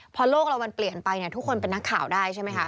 พอโลกเรามันเปลี่ยนไปเนี่ยทุกคนเป็นนักข่าวได้ใช่ไหมคะ